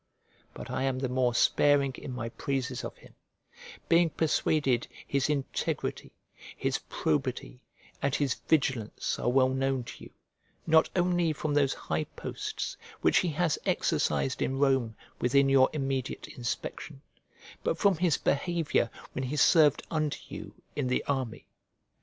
But I am the more sparing in my praises of him, being persuaded his integrity, his probity, and his vigilance are well known to you, not only from those high posts which he has exercised in Rome within your immediate inspection, but from his behaviour when he served under you in the army.